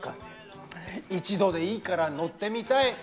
一度でいいから乗ってみたい！